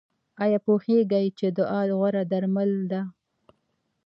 ایا پوهیږئ چې دعا غوره درمل ده؟